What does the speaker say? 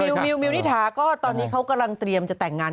มิวนิถาก็ตอนนี้เขากำลังเตรียมจะแต่งงาน